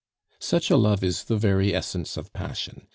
Such a love is the very essence of passion.